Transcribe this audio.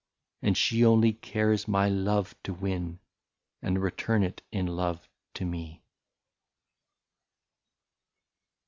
And she only cares my love to win, And return it in love to me.